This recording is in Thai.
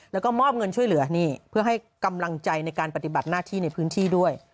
แล้วก็มอบเงินช่วยเหลือนี่เพื่อให้กำลังใจในการปฏิบัติหน้าที่ในพื้นที่ด้วย